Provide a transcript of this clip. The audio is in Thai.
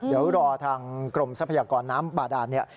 เดี๋ยวรอทางกรมทรัพยากรน้ำบาดานเนี่ย